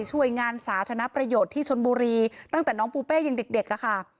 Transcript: ช่วยงานสาธารณประโยชน์ที่ชนบุรีตั้งแต่น้องปูเป้ยังเด็กอะค่ะ